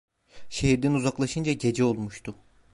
Şehirden uzaklaşınca gece olmuştu.